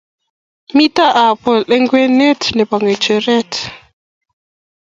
Mito apple ingwenye nebo ngecheret